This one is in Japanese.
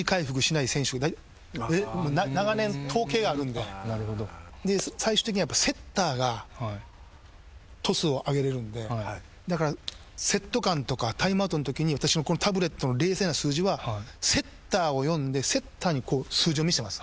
で最終的にはやっぱセッターがトスを上げれるんでだからセット間とかタイムアウトのときに私のタブレットの冷静な数字はセッターを呼んでセッターに数字を見せてます。